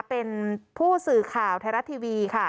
เป็นผู้สื่อข่าวไทยรัฐทีวีค่ะ